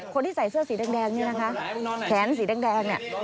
คนที่ใส่เสื้อสีแดงนี่นะคะแขนสีแดงเนี่ย